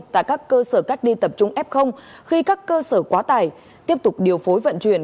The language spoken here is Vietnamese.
tại các cơ sở cách ly tập trung f khi các cơ sở quá tải tiếp tục điều phối vận chuyển